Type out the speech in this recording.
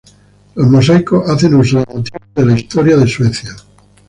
Los mosaicos hacen uso de motivos de la historia de Suecia.